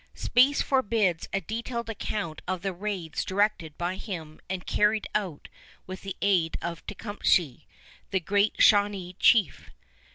Space forbids a detailed account of the raids directed by him and carried out with the aid of Tecumseh, the great Shawnee chief.